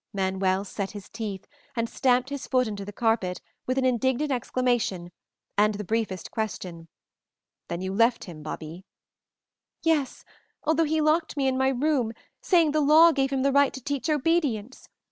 Manuel set his teeth and stamped his foot into the carpet with an indignant exclamation and the brief question, "Then you left him, Babie?" "Yes, although he locked me in my room, saying the law gave him the right to teach obedience.